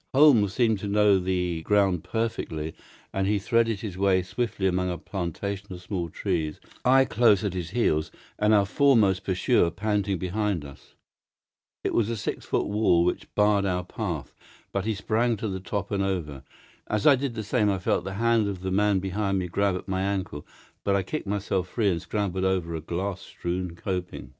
Holmes seemed to know the ground perfectly, and he threaded his way swiftly among a plantation of small trees, I close at his heels, and our foremost pursuer panting behind us. It was a six foot wall which barred our path, but he sprang to the top and over. As I did the same I felt the hand of the man behind me grab at my ankle; but I kicked myself free and scrambled over a glass strewn coping.